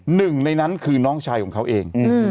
หนึ่งในนั้นคือน้องชายของเขาเอง